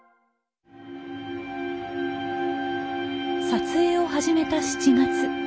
撮影を始めた７月。